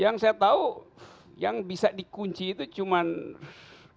yang saya tahu yang bisa dikunci itu cuma atau dia maling atau dia tidak